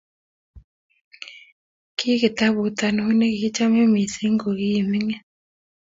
ki kitabut ingiroo ne kichame missing ko kimining